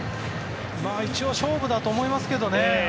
一応、勝負だと思いますけどね。